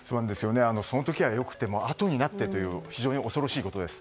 その時は良くてもあとになってという非常に恐ろしいことです。